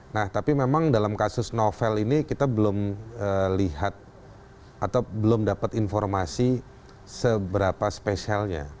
nah tapi memang dalam kasus novel ini kita belum lihat atau belum dapat informasi seberapa spesialnya